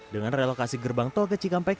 dengan relokasi gerbang tol ke cikampek